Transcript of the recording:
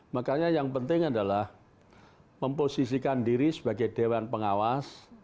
makanya yang penting adalah memposisikan diri sebagai dewan pengawas